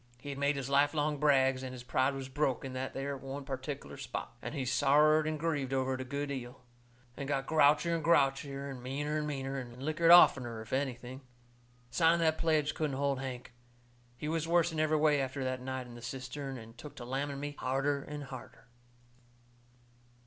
He had made his life long brags, and his pride was broke in that there one pertic'ler spot. And he sorrered and grieved over it a good 'eal, and got grouchier and grouchier and meaner and meaner, and lickered oftener, if anything. Signing the pledge couldn't hold Hank. He was worse in every way after that night in the cistern, and took to lamming me harder and harder.